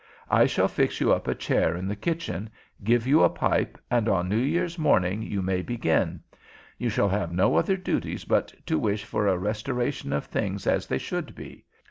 I shall fix you up a chair in the kitchen, give you a pipe, and on New Year's morning you may begin. You shall have no other duties but to wish for a restoration of things as they should be.